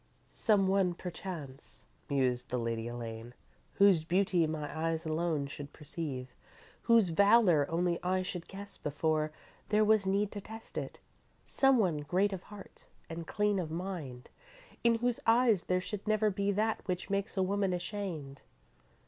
_"Some one, perchance," mused the Lady Elaine, "whose beauty my eyes alone should perceive, whose valour only I should guess before there was need to test it. Some one great of heart and clean of mind, in whose eyes there should never be that which makes a woman ashamed.